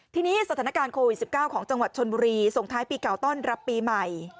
ทีนี้สถานการณ์โควิด๑๙ของจังหวัดชนบุรีส่งท้ายปีเก่าต้อนรับปีใหม่